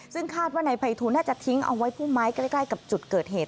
ซึ่งคาดว่านายภัยทูลน่าจะทิ้งเอาไว้ผู้ไม้ใกล้กับจุดเกิดเหตุ